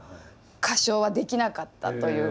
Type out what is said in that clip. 歌唱はできなかったという。